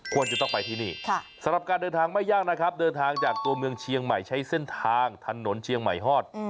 ควรจะต้องไปที่นี่สำหรับการเดินทางไม่ยากนะครับเดินทางจากตัวเมืองเชียงใหม่ใช้เส้นทางถนนเชียงใหม่ฮอด